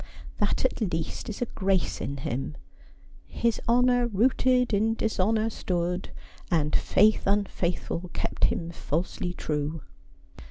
' That at least is a grace in him. " His honour rooted in dis honour stood ; and faith unfaithful kept him falsely true."